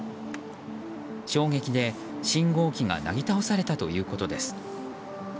衝撃で信号機がなぎ倒されたということです。